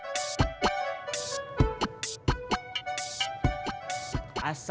tidak ada yang nanya